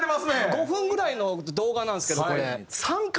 ５分ぐらいの動画なんですけどこれ。